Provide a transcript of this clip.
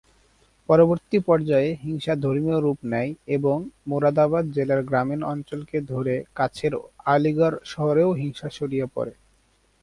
পরবর্তী পর্যায়ে হিংসা ধর্মীয় রূপ নেয় এবং মোরাদাবাদ জেলার গ্রামীণ অঞ্চলকে ধরে কাছের আলিগড় শহরেও হিংসা ছড়িয়ে পড়ে।